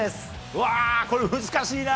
うわー、これ、難しいな！